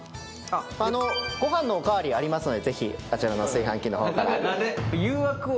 ご飯のお代わりありますのでぜひあちらの炊飯器の方から。